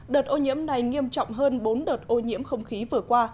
đợt ô nhiễm này nghiêm trọng hơn bốn đợt ô nhiễm không khí vừa qua